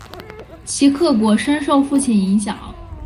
齐克果深受父亲影响。